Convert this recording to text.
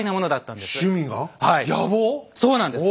そうなんです。